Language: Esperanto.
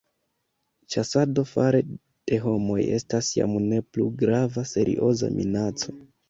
Ĉasado fare de homoj estas jam ne plu grava serioza minaco.